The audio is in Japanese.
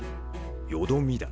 よどみだ。